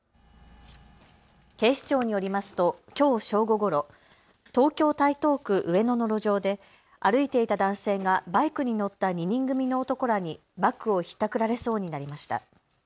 警視庁によりますときょう正午ごろ、東京台東区上野の路上で歩いていた男性がバイクに乗った２人組の男らにバッグをひったくられそうになりました。